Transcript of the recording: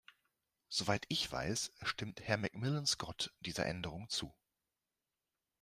Soweit ich weiß, stimmt Herr McMillan-Scott dieser Änderung zu.